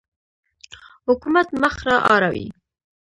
حکومت مخ را اړوي.